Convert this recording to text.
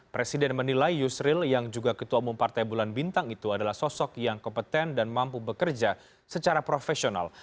presiden menilai yusril yang juga ketua umum partai bulan bintang itu adalah sosok yang kompeten dan mampu bekerja secara profesional